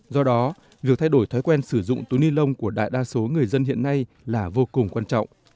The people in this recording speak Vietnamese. do đó việc thay đổi thói quen sử dụng túi ni lông của đại đa số người dân hiện nay là vô cùng quan trọng